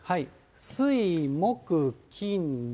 水、木、金、土。